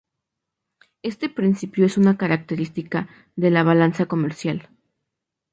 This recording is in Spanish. Este principio es una característica de la balanza comercial.